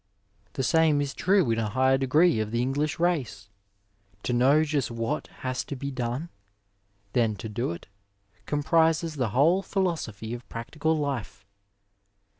The same is true in a high degree of the Englisb race. To know just what has to be done, then to do it, comprises the whole philosophy of practical life.